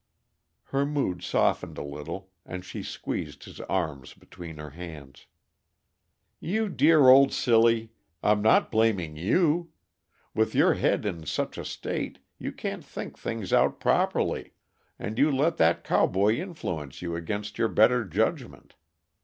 Her mood softened a little, and she squeezed his arm between her hands. "You dear old silly, I'm not blaming you. With your head in such a state, you can't think things out properly, and you let that cowboy influence you against your better judgment.